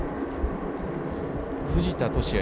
藤田聖也